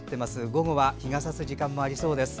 午後は日がさす時間もありそうです。